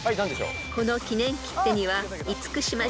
［この記念切手には］